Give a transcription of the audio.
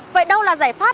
vậy đâu là giải pháp